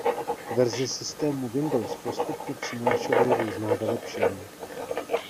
Verze systémů Windows postupně přinášely různá vylepšení.